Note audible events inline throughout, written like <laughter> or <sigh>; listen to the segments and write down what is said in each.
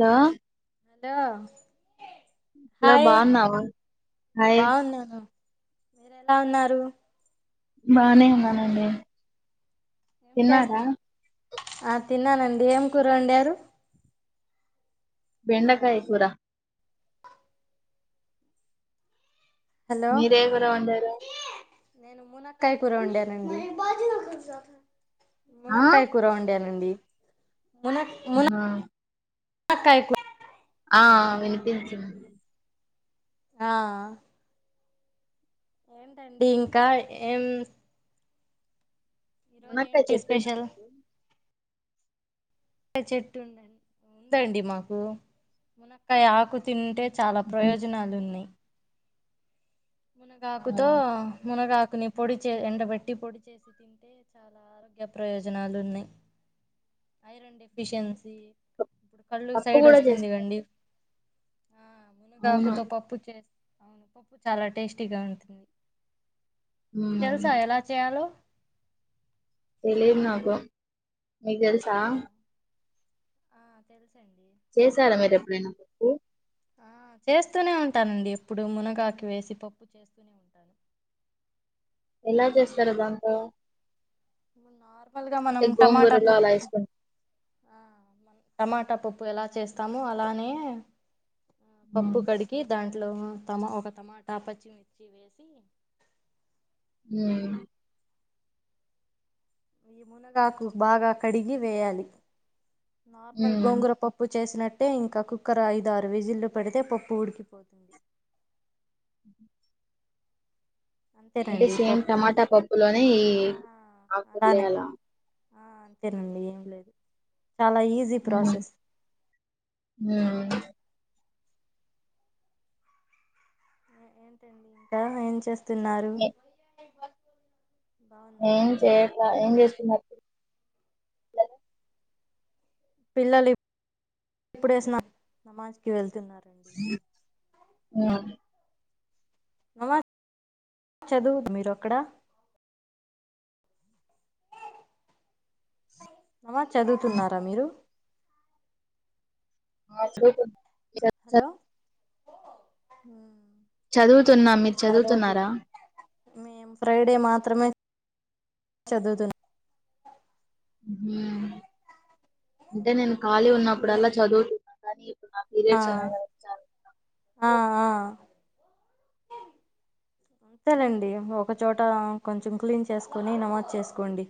లో లో hello hi బాగున్నావు హాయ్ బాగున్నాను మీరు ఎలా ఉన్నారు బానే ఉన్నానండి ఏం చేస్త తిన్నారా ఆ తిన్నానండి ఏం కూర వండారు బెండకాయ కూూర హలో మీరే కూర వండారు నేను మునక్కాయ కూర వండానండి ఆ మునక్కాయ కూర వండా నండి మున ఆ మునక్కాయ కూర ఆ వినిపించింది ఆ ఏంటండి ఇంక ఏం ఈ రోజ మునక్కాయ ఏంటి చెట్టు ఉందా స్పెషల్ క్కాయ చెట్టు ఉందం ఉందండి మాకు మునక్కాయ ఆకు తింటే చాల ఉహు. ప్రయోజనాలు ఉన్నాయి ఆ మునగాకుతో మునగాకుని పొడి చే ఎండబెట్టి పొడి చేసి తింటే చాల ఆరోగ్య ప్రయోజనాలు ఉన్నాయి ఐరన్ డెఫిషియన్సీ ప- ఇప్పుడు కళ్ళు పప్పు సైడ్ కూడా వస్తుంది చేస్తా కండి ఆ అవును మునగాకుతో పప్పు చే అవును పప్పు చాల టేస్టీగా ఉంటుంది మీక్ ఉమ్ తెల్సా ఎలా చేయాలో తెలీదు నాకు మీక్ తెల్సా ఆ తెలుసండి చేసారా మీరు ఎప్పుడైనా పప్పు ఆ చేస్తూనే ఉంటానండి ఎప్పుడు మునగాకు వేసి పప్పు చేస్తూనే ఉంటాను ఎలా చేస్తారు దాంతో నార్మల్ గా మనం అంటే టమాటా గోంగూరలో అలా పప్పు వేసుకుంట ఆ టమాటా పప్పు ఎలా చేస్తామొ అలానే ఆ ఉమ్ పప్పు కడికి దాంట్లో తమా ఒక టమాటా పచ్చిమిర్చి వేసి మ్ ఈ మునగాకు బాగా కడిగి వేయాలి నార్మల్ ఉమ్. గోంగుర పప్ ప్పు చేసినట్టే ఇంకా కుక్కర్ ఐదు ఆరు విజిలు పెడితే పప్పు ఉడికిపోతుంది అంటే అంతేనండి సేమ్ పప్పు రెడీ టమాటా పప్పు లోనే ఈ ఆ అలానే ఆకులేయలా ఆ అంతేనండి ఏం లేదు చాలా ఈజీ మ్ ప్రాసెస్ మ్ ఇంకా ఏం చేస్తున్నారు ఏ బాగున్నారా ఏం చేయట్లే ఏం చేస్తున్నట్టు పిల్లలు ఇప్పుడే నమాజ్కి వెళ్తున్నారండి ఆ నమ జ్ చదువు మీరు అక్కడ నమాజ్ చదువుతున్నారా మీరు మ చ్ హలో చదువుతున్నం మీరు చదువుతున్నారా మేం ఫ్రైడే మాత్రమే చదువుతున్ మ్ అంటే నేను ఖాళీగ ఉన్నప్పుడళ్ళ చదువుతున్నాను కానీ ఇప్పుడు నాకు అ ఆ ఆ టరండి ఒకచోట కొంచెం క్లీన్ చేసుకొని నమాోజ్ చేసుకోండి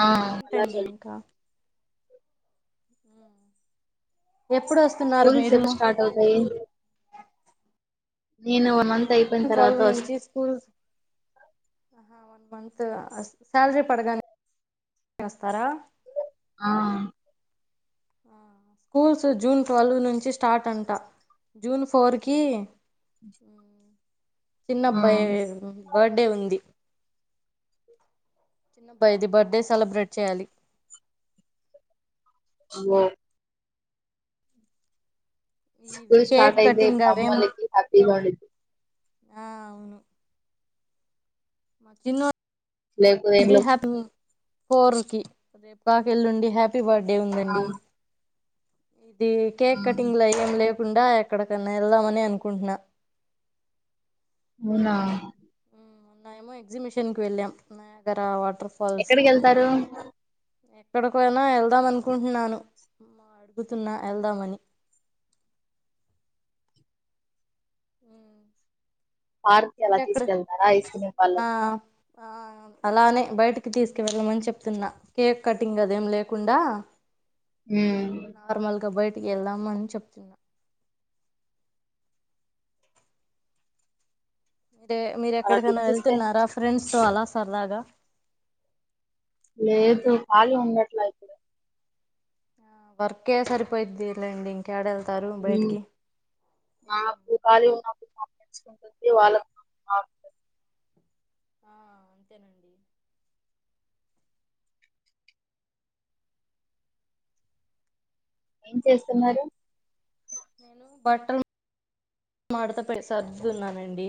ఆ ఏంటండి అలాగే ఇంకా ఎప్పుడు వస్తున్నారు స్కూల్స్ మీరు ఎప్పుడు స్టార్ట్ అవుతయి నేను వన్ మంత్ అయిపోయిన తర్వాత వస్ కూల్ వన్ మంత్ శాలరీ పడగానే వస్తారా ఆ ఆ స్కూల్స్ జూన్ ట్వెల్వ్ నుంచి స్టార్ట్ అంట జూన్ ఫోర్ కీ ఆ చిన్నబ్బాయి బర్డే ఉంది చిన్నబాయిది బర్త్డే సెలబ్రేట్ చేయాలి హాలో ఇవి స్కూల్ కేక్ స్టార్ట్ అయితే కటింగ్ అవేం అమ్మోళ్ళకి హ్యాపీిగా ఉన్ ఆ ఔను మ లేకపోతే చిన్నోడిదీ ఏంలో హ్య ఫోర్ కి రేపు కాకేళ్ళుండి హ్యాప్ హ్యాపీ బర్త్డే ఆ ఉందండి ఇది ఆ కేక్ కటింగ్ లు అయి ఏం లే కాకుండా ఎక్కడికన్నా వెళ్దామని అనుకుంటున్నా అవునా నయము ఎగ్జిమిషన్ కి వెళ్ళం నాయగర వాటర్ ఫాల్స్ ఎక్కడికెళ్తారు ఎక్కడికైనా వెళ్దాం అనుకుంటున్నాను మ అడుగుతున్న వెళ్దామని ఉ <unintelligible> తీసుకెళ్తారా ఐస్ క్రీమ్ ఆ పార్లర్ ఆ అలానే బయటికి తీసుకు వెెళ్ళమని చెప్తున్న కేక్ కటింగ్ అదేం లేకుండ ఉ నార్మల్గా బయటికి వెళ్ళామ అని చెప్తున్నా టే మీరు అలా ఎక్కడికైన తెచ్చిస్తే వెళ్తున్నారా ఫ్రెండ్స్ తో అలా సరదాగ లేదు కాళీ ఉండట్ల ఇప్పుడు వర్క్ ఎ సరిపోయిదిలేండి ఇంకా యాడ ఎళ్తారు ఉమ్, బయటికి <unintelligible> ఆ అంతేనండి ఏం చేస్తున్నారు నేను బట్టల్ మడత పే సర్దుతున్నానండి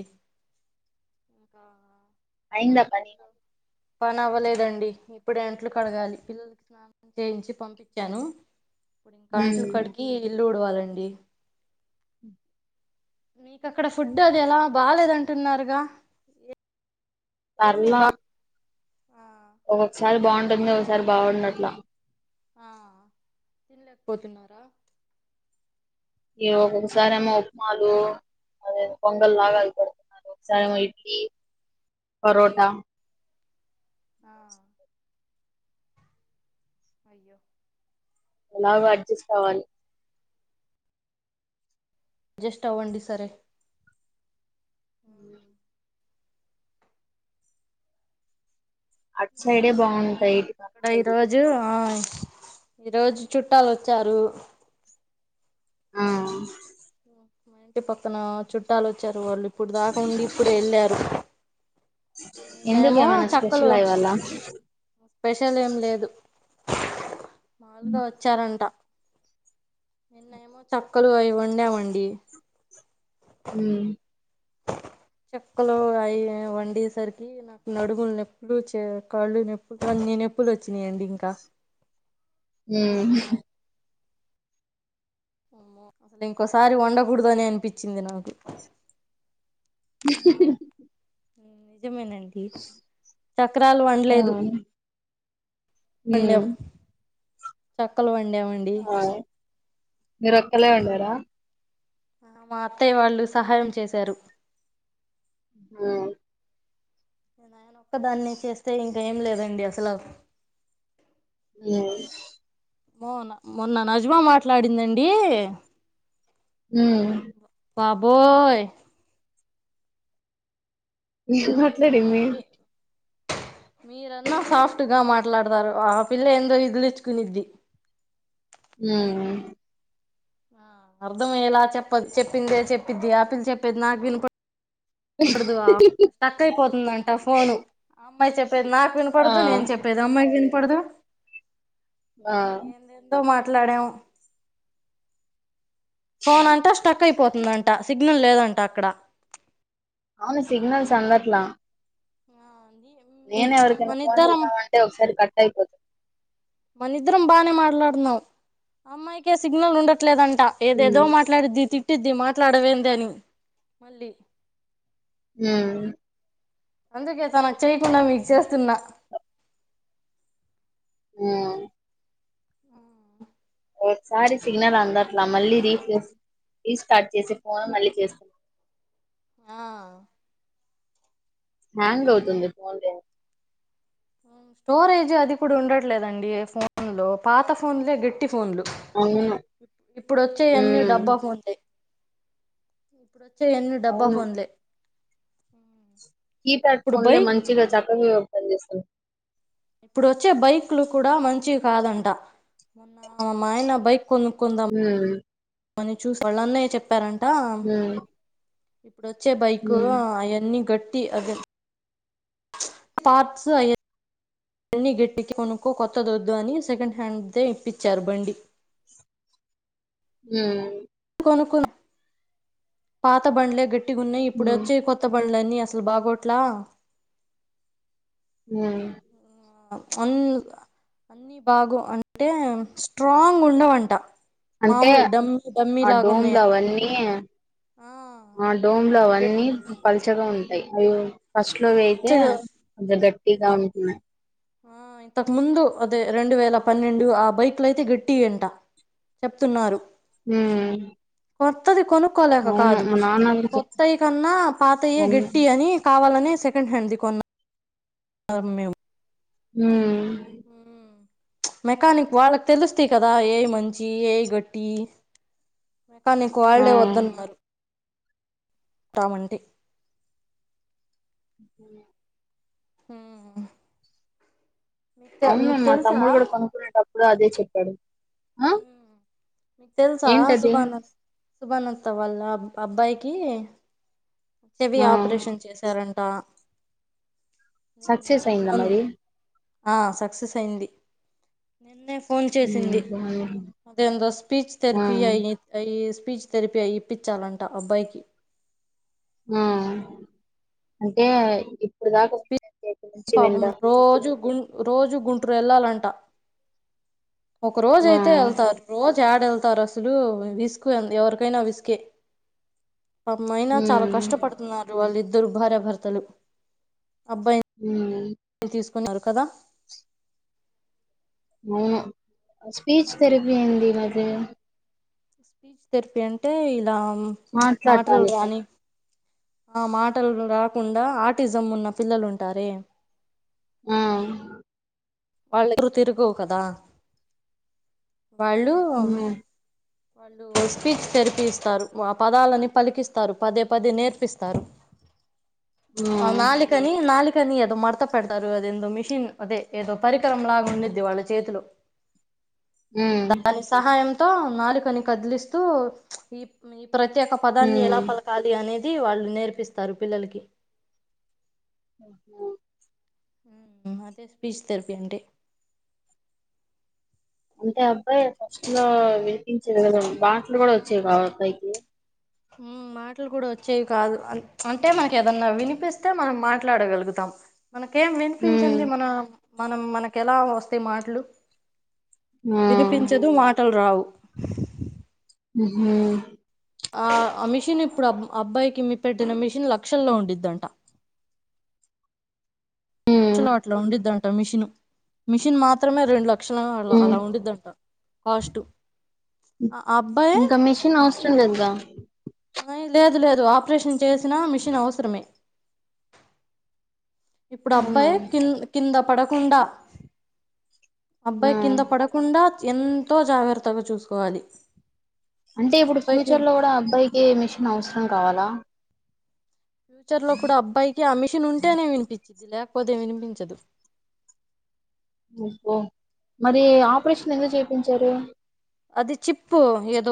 ఆ అయింద పని పని అవ్వలేదండి ఇప్పుడు అంట్లు కడగాలి పిల్లల <unintelligible> చేయించి పంపించాను ఇప్పుడు ఇంక అంట్లు ఉమ్ కడిగి ఇల్లు ఉడవాలండి మీకు అక్కడ ఫుడ్ అది ఎల బాలేదంటున్నారుగా ఏమి పర్ల బా ఆ ఒక్కొక్కసారి బావుంటుంది ఒకసారి బావుం <unintelligible> ఆ తినలేకపోతున్నార ఈ ఒక్కొక్కసారి ఏమో ఉప్మాలు అదె పొంగల్ ఉమ్ లాగ అవి పెడుతున్నారు <unintelligible> ఇడ్లీ పరోట ఆ అయ్యో ఎలాగొ అడ్జస్ట్ అవ్వాలి ఆడ్జెస్ట్ అవండి సరే ఉమ్, అట్ సైడే బావుంటాయి ఇంక <inaudible> ఈ రోజు ఆయి ఈరోజు చుట్టలు వచ్చారు ఆ మా ఇంటి పక్కన చుట్టాలు వచ్చారు వాళ్ళు ఇప్పుడు దాక ఉండి ఇప్పుడే ఎళ్ళారు ఎందుకు ఏమైన చక్కలు స్పెషల్ అ ఇవాల స్పెషల్ ఏం లేదు మామూలుగ వచ్చారంట నిన్నేమో <unintelligible> క్కలు అవి వండామండి ఉ చెక్కలు అయి వండేసరికి నాకు నడుముల్ నొప్పులు చ్చే కాళ్ళు నొప్పులు కొన్ని నొప్పులు వచ్చినాయండి ఇంక హు అమ్మో అసలు ఇంకోసారి వండగుడదు అనే అనిపిచింది నాకు <inaudible> ఉ నిజమేనండి చక్రాలు ఆ వండలేదు వండాం ఉమ్ చక్కలు వండామం ఆయ్ మీ రొక్కలే వండారా ఆహ్ మా అత్తయ్య వాళ్ళు సహాయం చేసారు మ్ ఒక్క దాన్నే చేస్తే ఇంక ఏం లేదండి అసల ఉమ్ మొ మొన్న నజ్మా మాట్లాడిందండి మ్ బాబోయ్ ఏం మాట్లడింది మీరన్నా సాఫ్ట్ గా మాట్లాడతారు ఆ పిల్ల ఎందో విదిలిచ్చుకునిద్ది మ్ ఆ అర్ధం ఎలా చెప్పద్ చెప్పిందే చెప్పిద్ది ఆపిల్ చెప్పిది నాకు వినుపడ వినపడదు స్టక్ అయిపోతుందంట ఫోను అమ్మాయి చెప్పేది నాకు ఆ వినబడదు నేను చెప్పేది ఇదమ్మాయికి వినపడదు ఆ ఏదేందో మాట్లాడాం ఫోన్ అంటా స్టక్ అయిపోతుందంట సిగ్నల్ లేదంట అక్కడ అవును సిగ్నల్స్ అందట్ల నేనే ఎవరికైనా ఫోన్ మనిద్దరం చేద్దామంటే ఒకసారి కట్ అయిపోతుంది మన ఇద్దరం బానే మాట్లాడత్నం అమ్మాయికే సిగ్నల్ ఉండట్లేదంట ఉమ్ ఏదేదో మాట్లాడిద్ది తిట్టిద్ది మాట్లాడవేంది అని మళ్ళీ ఉమ్ అందుకే తనకు చేయకుండా మీక్ చేస్తున్నా మ్ ఒకసారి సిగ్నల్ అందట్లా మళ్ళీ రీఫ్రష్ రీస్టార్ట్ చేసి ఫోన్ మళ్ళీ చేస్తు ఆ హ్యాంగ్ అవుతుంది పోన్ స్టోరేజ్ అది కూడా ఉండట్లేదండి ఫోన్ లో పాత ఫోన్లే గట్టి ఫోన్లు అవును ఇప్పుడోచ్చేయన్నీ ఉమ్ డబ్బఫోన్లే ఇప్పుడు వచ్చేఅన్నీ డబ్బా అవును ఫోన్లే కీప్యాడ్ ఇప్పుడు ఫోన్లే బైక్ మంచిగా చక్కగా పని చేస్తయి ఇప్పుడు వచ్చే బైక్లు కూడా మంచివి కాదంట మొన్న మా ఆయన బైక్ కొనుకొ కొందాం ఉమ్ అని చూసి వాళ్ళ అన్నయ్య చెప్పారంట ఉమ్ ఇప్పుడు వచ్చే బైక్ హ్మ్ అయన్నీ గట్టి అదే పార్ట్స్ అయ్యి న్ని గట్టికి కొనుక్కో కొత్తది వద్దు అని సెకండ్ హ్యాండ్ తే ఇప్పించారు బండి మ్ కొనుకును పాత బండ్లే గట్టిగున్నయి హ్మ్ ఇప్పుడొచ్చేయి కొత్త కొత్త బండ్లన్నీ అసలు బాగోట్లా మ్ అన్ అన్ని బాగో అంటే స్ట్రాంగ్ ఉండవంట అంటే మామూలు డమ్మి డమ్మి ఆ లాగా డోమ్లు ఉన్నాయంట అవన్నీ ఆ ఆ డోమ్ లో అవన్నీ పలుచగా ఉంటాయి అవి ఫస్ట్ లో వే తే గట్టిగా అది గట్టిగా ఉంటున్నయి ఆ ఇంతకు ముందు అదే రెండు వేల పన్నెండు ఆ బైక్లయితే గట్టియి అంట చెప్తున్నారు ఉమ్ కొత్తది కొనుక్కోలేక కాదు నాన్న కూడా చెప్ కొత్తయి కన్నా పాతయే అవును గట్టి అని కావాలని సెకండ్ హ్యాండ్ది కొన్నా మేము ఉహు ఉమ్ మెకానిక్ వాళ్ళకి తెలుస్తయి కదా ఏయ్ మంచియి ఏయ్ గట్టియి మెకానిక్ ఆ వాళ్ళే వద్దన్నారు. తామంటి ఆహా అవును మా తెలుసా తమ్ముడు కూడా కొనుక్కునేటప్పుడు అదే చెప్పాడు ఆ తెలుసా ఏంటది సూబానా సుభానత్త వాళ్ళ అబ్ అబ్బాయికి చెవి ఆ ఆపరేషన్ చేశారని ఆ సక్సెస్ అయిందా మరి ఆ సక్సెస్ అయింది నిన్నే ఫోన్ హ్మ్ చేసింది బాగుంది అదేందో స్పీచ్ ఆ థెరపీ అయి అయి స్పీచ్ థెరపీ అయి ఇప్పించాలంట అబ్బాయికి ఆ అంటే ఇప్పుడు దాకా ఎక్కడి నుంచి పాపం విందాం రోజు గుం రోజు గుంటూరు వెళ్ళాలంట ఒక రోజ ఆ అయితే వెళ్తారు రోజు ఏడ ఎళ్తారు అసలు విసుగు ఎవరికైనా విసుకే అమ్మాయినా చాలా హ్మ్ కష్టపడుతున్నారు వాళ్ళిద్దరు భార్యాభర్తలు అబ్బాయి ఉ తీసుకున్నారు కదా అవును స్పీచ్ థెరపీ ఏంది మద్యేన చ్ తెర్పి అంటే ఇలా మాటలు మాట్లాటానికీ రాని ఆ మాటలు రాకుండా ఆర్టిజం ఉన్న పిల్లలు ఉంటారే ఆ వాళ్ళ తిరగవు కదా వాళ్ళు హ్మ్ స్పీచ్ థెరపీ ఇస్తారు ఆ పదాలని పలికిస్తారు పదే పదే నేర్పిస్తారు ఉమ్ నాలుకని నాలుకని ఏదో మడత పెడతారు అది ఎందో మిషిన్ అదే ఏదో పరికరం లాగా ఉండిది వాళ్ళ చేతిలో హ్మ్ హ్మ్ దాని సహాయంతో నాలుకని కదిలిస్తూ ఈ ఈ ప్రత్యేక పదాన్ని ఎలా హ్మ్. పల కాలీ అనేది వాళ్ళు నేర్పిస్తారు పిల్లలకి అబ్బో అదే స్పీచ్ థెరపీ అంటే అంటే అబ్బాయి ఫస్ట్ లో వినిపించేది కదా పాటలు కూడా వచ్చేవి ఆ అబ్బాయికి ఉ మా మాటలు కూడా వచ్చేవి కాదు అంటే మనకి ఏదన్నా వినిపిస్తే మనం మాట్లాడగలుగుతాం మనకేం హ్మ్ వినిపించిన్ది మన మనం మనకి ఎలా వస్తాయి మాటలు ఆ వినిపించదు మాటలు రావు ఉహు ఆ ఆ మిషన్ ఇప్పుడు అబ్ అబ్బాయికి మీ పెట్టిన మిషన్ లక్షల్లో ఉండిద్దంట హ్మ్ క్షలు అట్లా ఉండిద్దంట మిషన్, మిషిన్ మాత్రమే రెండుల క్షణ అళ్ళ హ్మ్ అలా ఉండిదంట కాస్ట్ ఆ అబ్బాయి ఇంకా <unintelligible> లేదు లేదు ఆపరేషన్ చేసినా మిషిన్ అవసరమే ఇప్పుడు ఆ అవునా అబ్బాయ్ కింద కింద పడకుండా ఆ అబ్బాయి కింద పడ కుండా ఎంతో జాగ్రత్తగా చూసుకోవాలి అంటే ఇప్పుడు అబ్బాయికి ఫ్యూచర్ లో కూడా అబ్బాయికి మిషన్ అవసరం కావాల ఫ్యూచర్ లో కూడా అబ్బాయికి ఆ మిషన్ ఉంటేనే వినిపిచిది లేకపోతే వినిపించదు ఓహో మరి ఆపరేషన్ ఎందుకు చేపించారు అది చిప్పు ఏదో